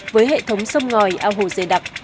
với hệ thống sông ngòi ao hồ dây đặc